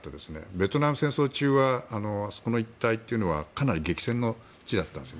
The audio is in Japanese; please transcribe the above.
ベトナム戦争中はあそこの一帯というのはかなり激戦の地だったんです。